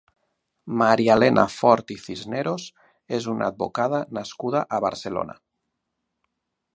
Marialena Fort i Cisneros és una advocada nascuda a Barcelona.